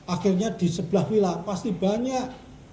akhirnya di sebelah vila pasti banyak